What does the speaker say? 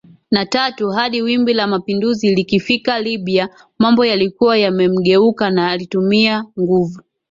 na tatu Hadi wimbi la mapinduzi likifika Libya mambo yalikuwa yamemgeuka na alitumia nguvu